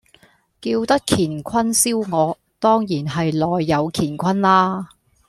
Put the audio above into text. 叫得乾坤燒鵝，當然係內有乾坤啦